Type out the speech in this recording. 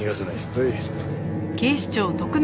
はい。